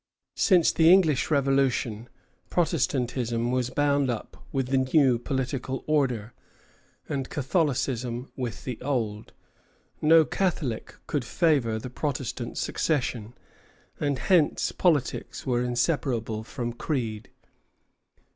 Since the English Revolution, Protestantism was bound up with the new political order, and Catholicism with the old. No Catholic could favor the Protestant succession, and hence politics were inseparable from creed.